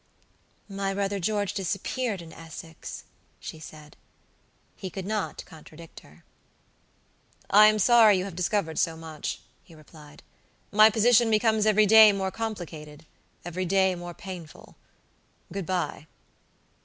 "My brother George disappeared in Essex," she said. He could not contradict her. "I am sorry you have discovered so much," he replied. "My position becomes every day more complicated, every day more painful. Good bye."